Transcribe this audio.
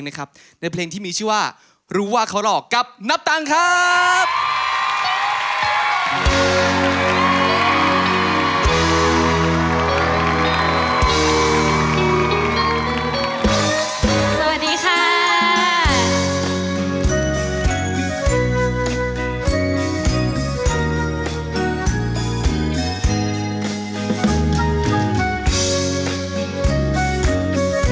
เจ้าของบ้านชายใกล้คลายจะยังไม่ฝืน